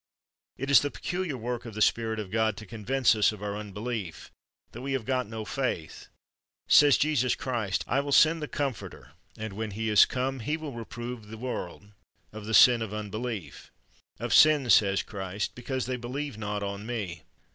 It is the peculiar work of the Spirit of God to con vince us of our unbelief — that we have got no faith. Says Jesus Christ, '' I will send the Com forter ; and when He is come, He will reprove the world" of the sin of unbelief; "of sin," says Christ, "because they believe not on Me."